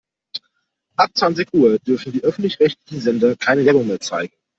Ab zwanzig Uhr dürfen die öffentlich-rechtlichen Sender keine Werbung mehr zeigen.